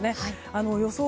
予想